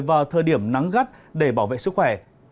vào thời điểm nắng gắt để bảo vệ sức khỏe